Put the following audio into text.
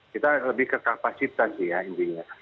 kita lebih ke kapasitas sih ya intinya